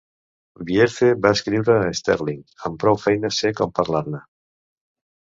Bierce va escriure a Sterling "Amb prou feines sé com parlar-ne".